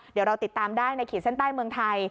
เดี๋ยวเราติดตามได้ในขีดเส้นใต้เมืองไทย